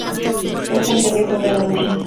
Es cantante y toca la armónica.